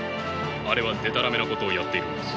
あれはでたらめなことをやっているのです。